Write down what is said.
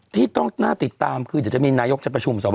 ที่ต้องน่าติดตามคือเดี๋ยวจะมีนายกเฉพาะชมสรรพคร